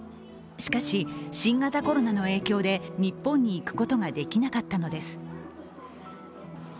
しかし、新型コロナの影響で日本に行くことができなかったのです。